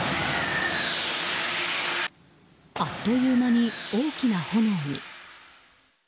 あっという間に大きな炎に。